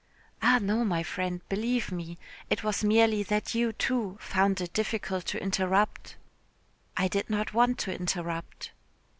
"Ah, no, my friend, believe me. It was merely that you, too, found it difficult to interrupt." "I did not want to interrupt."